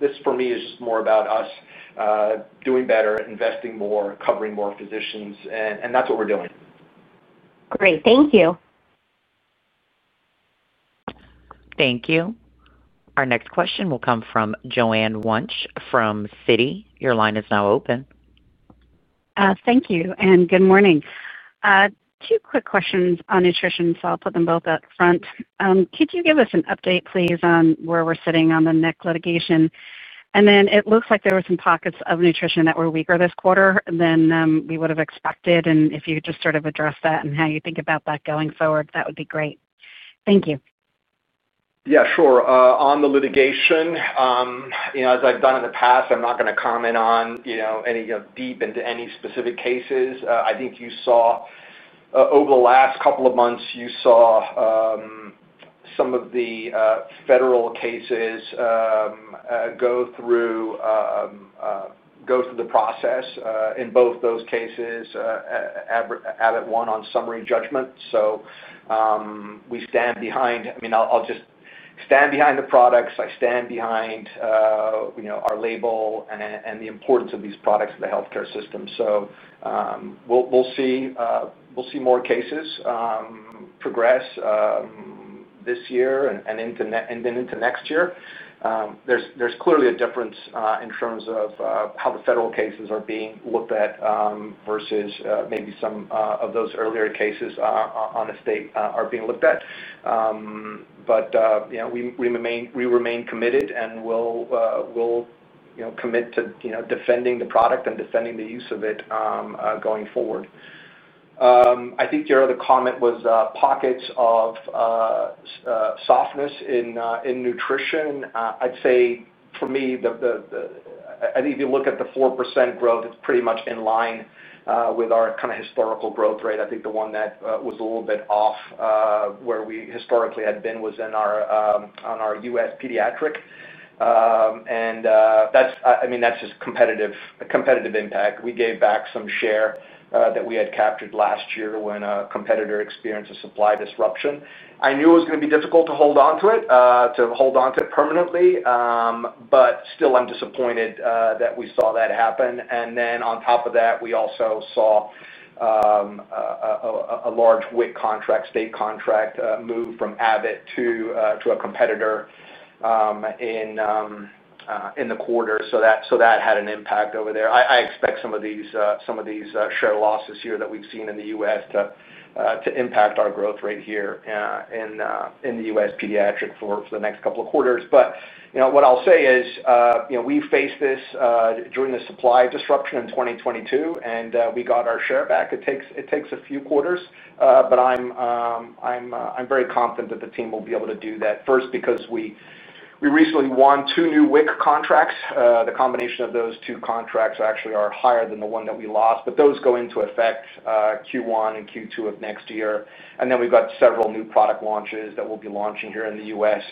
This for me is just more about us doing better, investing more, covering more physicians. That's what we're doing. Great, thank you. Thank you. Our next question will come from Joanne Wuensch from Citi. Your line is now open. Thank you. Good morning. Two quick questions on nutrition. I'll put them both up front. Could you give us an update, please, on where we're sitting on the NEC litigation? It looks like there were some pockets of nutrition that were weaker this quarter than we would have expected. If you could just sort of address that and how you think about that going forward, that would be great. Thank you. Yeah, sure. On the litigation, as I've done in the past, I'm not going to comment on any deep into any specific cases. I think you saw, over the last couple of months, you saw some of the federal cases go through the process. In both those cases, Abbott won on summary judgment. I stand behind the products. I stand behind our label and the importance of these products in the healthcare system. We'll see more cases progress this year and into next year. There's clearly a difference in terms of how the federal cases are being looked at versus maybe some of those earlier cases on the state are being looked at. We remain committed and we'll commit to defending the product and defending the use of it going forward. I think your other comment was pockets of softness in nutrition. I'd say for me, if you look at the 4% growth, it's pretty much in line with our kind of historical growth rate. I think the one that was a little bit off, where we historically had been, was in our U.S. pediatric. That's just a competitive impact. We gave back some share that we had captured last year when a competitor experienced a supply disruption. I knew it was going to be difficult to hold on to it permanently. I'm disappointed that we saw that happen. On top of that, we also saw a large WIC contract, state contract, move from Abbott to a competitor in the quarter. That had an impact over there. I expect some of these share losses here that we've seen in the U.S. to impact our growth rate here in the U.S. pediatric for the next couple of quarters. We faced this during the supply disruption in 2022, and we got our share back. It takes a few quarters, but I'm very confident that the team will be able to do that. First, because we recently won two new WIC contracts. The combination of those two contracts actually are higher than the one that we lost, but those go into effect Q1 and Q2 of next year. We've got several new product launches that we'll be launching here in the U.S.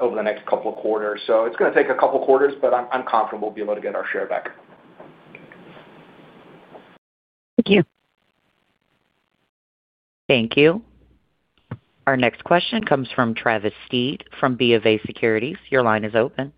over the next couple of quarters. It's going to take a couple of quarters, but I'm confident we'll be able to get our share back. Thank you. Thank you. Our next question comes from Travis Steed from BofA Securities. Your line is open.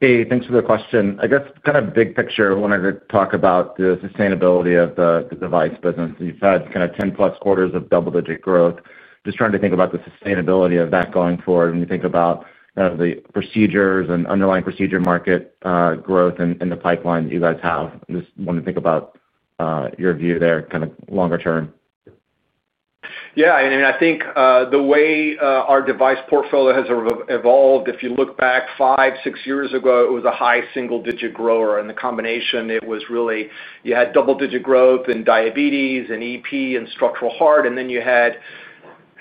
Hey, thanks for the question. I guess kind of big picture, I wanted to talk about the sustainability of the device business. You've had kind of 10-plus quarters of double-digit growth. Just trying to think about the sustainability of that going forward. When you think about kind of the procedures and underlying procedure market, growth in the pipeline that you guys have, just want to think about your view there, kind of longer term. Yeah. I think the way our device portfolio has evolved, if you look back five, six years ago, it was a high single-digit grower. The combination was really, you had double-digit growth in diabetes and EP and structural heart. Then you had,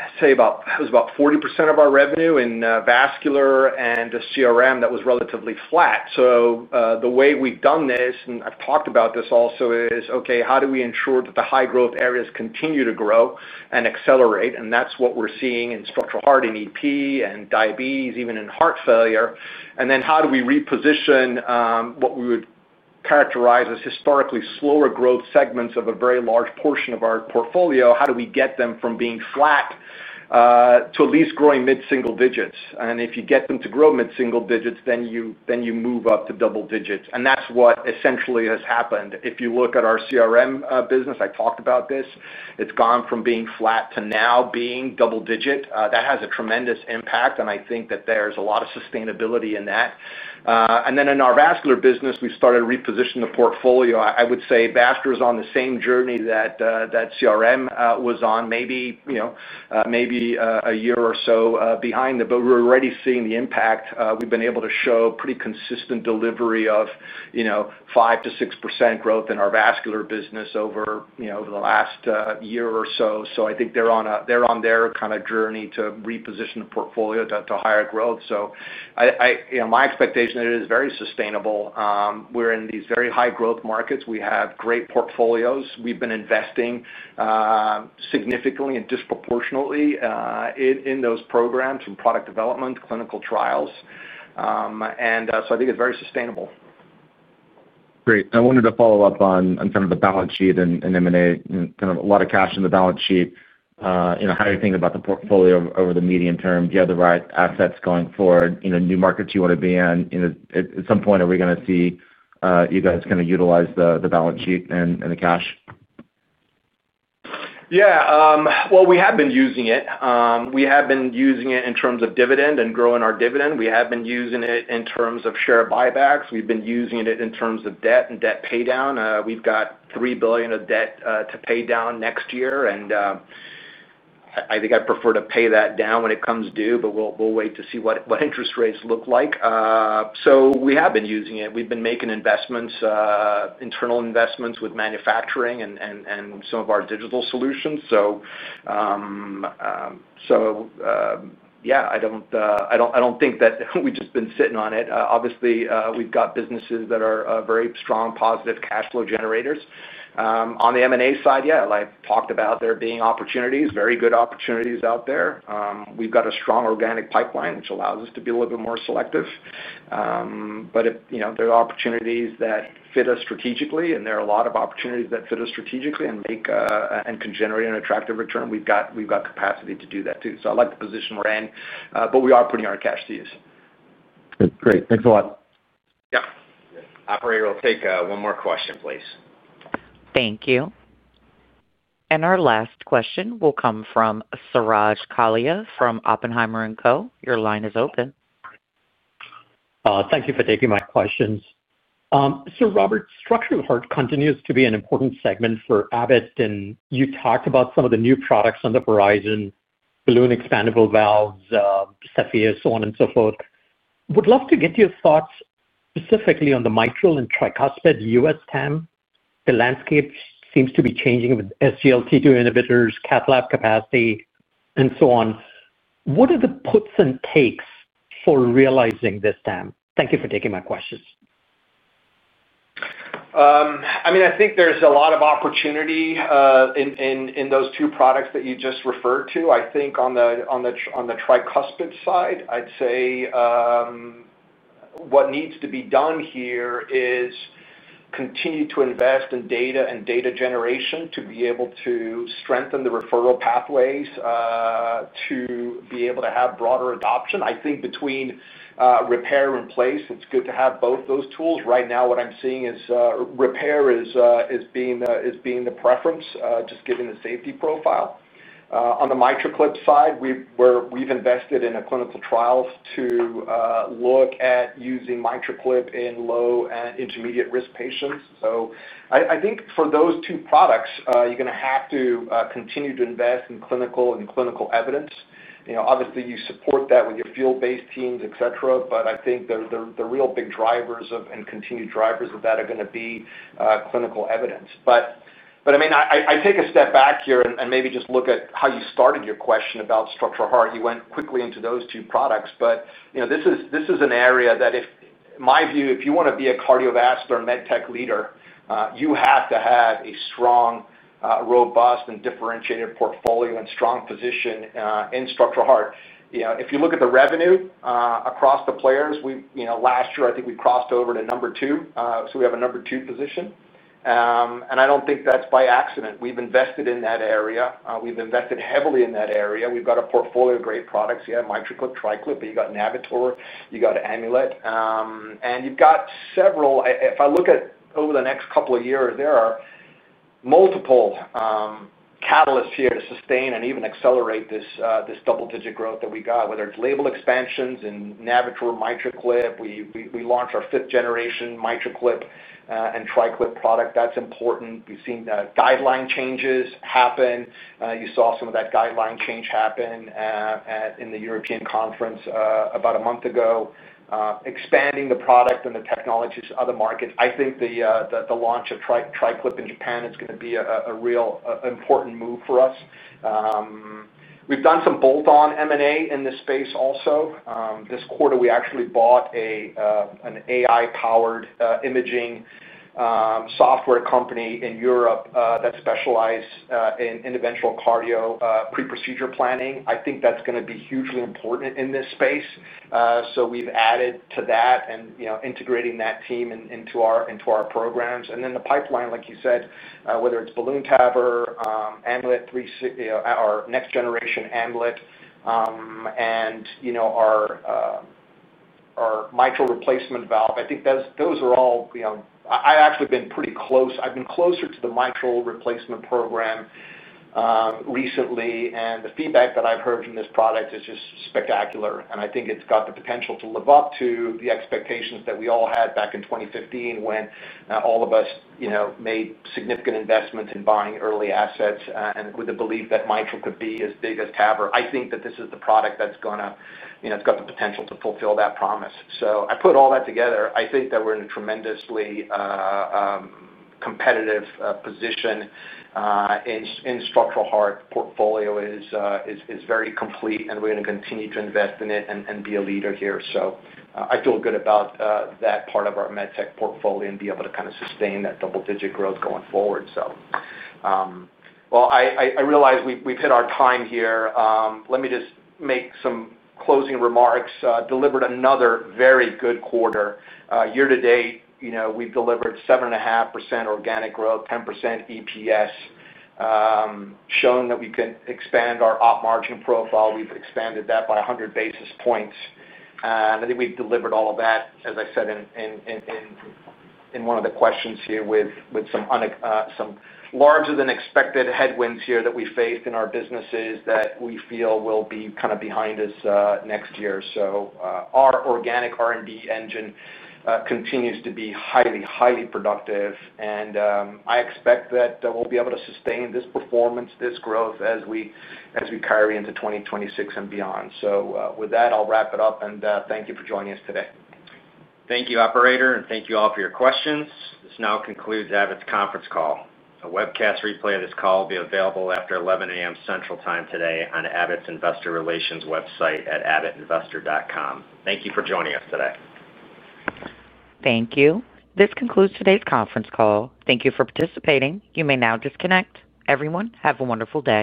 I'd say, about 40% of our revenue in vascular and CRM that was relatively flat. The way we've done this, and I've talked about this also, is, okay, how do we ensure that the high-growth areas continue to grow and accelerate? That's what we're seeing in structural heart and EP and diabetes, even in heart failure. Then how do we reposition what we would characterize as historically slower growth segments of a very large portion of our portfolio? How do we get them from being flat to at least growing mid-single digits? If you get them to grow mid-single digits, then you move up to double digits. That's what essentially has happened. If you look at our CRM business, I talked about this. It's gone from being flat to now being double-digit. That has a tremendous impact. I think that there's a lot of sustainability in that. In our vascular business, we've started to reposition the portfolio. I would say vascular is on the same journey that CRM was on. Maybe a year or so behind it, but we're already seeing the impact. We've been able to show pretty consistent delivery of 5%-6% growth in our vascular business over the last year or so. I think they're on their kind of journey to reposition the portfolio to higher growth. My expectation is that it is very sustainable. We're in these very high-growth markets. We have great portfolios. We've been investing significantly and disproportionately in those programs from product development to clinical trials. I think it's very sustainable. Great. I wanted to follow up on the balance sheet and M&A, kind of a lot of cash in the balance sheet. How are you thinking about the portfolio over the medium term? Do you have the right assets going forward? New markets you want to be in. At some point, are we going to see you guys utilize the balance sheet and the cash? Yeah, we have been using it. We have been using it in terms of dividend and growing our dividend. We have been using it in terms of share buybacks. We've been using it in terms of debt and debt paydown. We've got $3 billion of debt to pay down next year. I think I'd prefer to pay that down when it comes due, but we'll wait to see what interest rates look like. We have been using it. We've been making investments, internal investments with manufacturing and some of our digital solutions. Yeah, I don't think that we've just been sitting on it. Obviously, we've got businesses that are very strong, positive cash flow generators. On the M&A side, like I talked about, there being opportunities, very good opportunities out there. We've got a strong organic pipeline, which allows us to be a little bit more selective, but there are opportunities that fit us strategically, and there are a lot of opportunities that fit us strategically and can generate an attractive return. We've got capacity to do that, too. I like the position we're in, but we are putting our cash to use. Great. Thanks a lot. Yeah. Operator, we'll take one more question, please. Thank you. Our last question will come from Suraj Kalia from Oppenheimer & Co. Your line is open. Thank you for taking my questions. Robert, structural heart continues to be an important segment for Abbott Laboratories. You talked about some of the new products on the horizon, balloon expandable valves, SEPIA, and so on. I would love to get your thoughts specifically on the mitral and tricuspid U.S. TAM. The landscape seems to be changing with SGLT2 inhibitors, cath lab capacity, and so on. What are the puts and takes for realizing this TAM? Thank you for taking my questions. I mean, I think there's a lot of opportunity in those two products that you just referred to. I think on the tricuspid side, what needs to be done here is continue to invest in data and data generation to be able to strengthen the referral pathways, to be able to have broader adoption. I think between repair and replace, it's good to have both those tools. Right now, what I'm seeing is repair is being the preference, just given the safety profile. On the MitraClip side, we've invested in a clinical trial to look at using MitraClip in low and intermediate risk patients. I think for those two products, you're going to have to continue to invest in clinical and clinical evidence. Obviously, you support that with your field-based teams, etc. I think the real big drivers of and continued drivers of that are going to be clinical evidence. I take a step back here and maybe just look at how you started your question about structural heart. You went quickly into those two products. This is an area that, in my view, if you want to be a cardiovascular medtech leader, you have to have a strong, robust and differentiated portfolio and strong position in structural heart. If you look at the revenue across the players, last year, I think we crossed over to number two. We have a number two position, and I don't think that's by accident. We've invested in that area. We've invested heavily in that area. We've got a portfolio of great products. You have MitraClip, Triclip, but you've got NAVTOR, you've got Amulet, and you've got several, if I look at over the next couple of years, there are multiple catalysts here to sustain and even accelerate this double-digit growth that we got, whether it's label expansions in NAVTOR, MitraClip. We launched our fifth-generation MitraClip and Triclip product. That's important. We've seen guideline changes happen. You saw some of that guideline change happen in the European conference about a month ago, expanding the product and the technologies to other markets. I think the launch of Triclip in Japan is going to be a real important move for us. We've done some bolt-on M&A in this space also. This quarter, we actually bought an AI-powered imaging software company in Europe that specializes in individual cardio pre-procedure planning. I think that's going to be hugely important in this space. We've added to that and, you know, integrating that team into our programs. The pipeline, like you said, whether it's balloon TAVR, Amulet 3, our next-generation Amulet, and our mitral replacement valve, I think those are all, you know, I've actually been pretty close. I've been closer to the mitral replacement program recently, and the feedback that I've heard from this product is just spectacular. I think it's got the potential to live up to the expectations that we all had back in 2015 when all of us made significant investments in buying early assets, and with the belief that mitral could be as big as TAVR. I think that this is the product that's going to, you know, it's got the potential to fulfill that promise. I put all that together. I think that we're in a tremendously competitive position in structural heart. The portfolio is very complete, and we're going to continue to invest in it and be a leader here. I feel good about that part of our medtech portfolio and being able to kind of sustain that double-digit growth going forward. I realize we've hit our time here. Let me just make some closing remarks. Delivered another very good quarter. Year to date, we've delivered 7.5% organic growth, 10% EPS, shown that we can expand our op margin profile. We've expanded that by 100 basis points. I think we've delivered all of that, as I said in one of the questions here, with some larger than expected headwinds here that we faced in our businesses that we feel will be kind of behind us next year. Our organic R&D engine continues to be highly, highly productive. I expect that we'll be able to sustain this performance, this growth as we carry into 2026 and beyond. With that, I'll wrap it up and thank you for joining us today. Thank you, Operator, and thank you all for your questions. This now concludes Abbott Laboratories' conference call. A webcast replay of this call will be available after 11:00 A.M. Central Time today on Abbott Laboratories' investor relations website at abbottinvestor.com. Thank you for joining us today. Thank you. This concludes the conference call. Thank you for participating. You may now disconnect. Everyone, have a wonderful day.